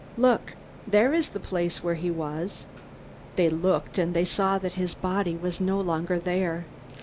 Look! There is the place where he was!" They looked, and they saw that his body was no longer there.